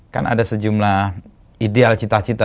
kan ada sejumlah ideal cita cita